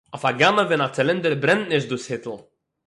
אויף אַ גנבֿ אין אַ צילינדער ברענט ניט דאָס היטל.